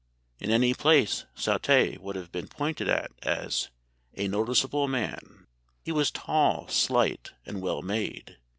In any place Southey would have been pointed at as 'a noticeable man.' He was tall, slight, and well made.